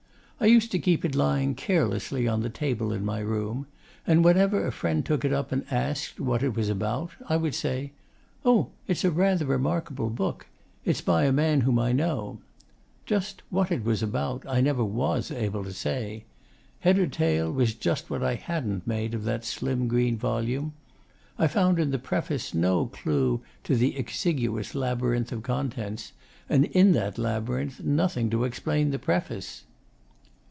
I used to keep it lying carelessly on the table in my room, and whenever a friend took it up and asked what it was about I would say 'Oh, it's rather a remarkable book. It's by a man whom I know.' Just 'what it was about' I never was able to say. Head or tail was just what I hadn't made of that slim green volume. I found in the preface no clue to the exiguous labyrinth of contents, and in that labyrinth nothing to explain the preface.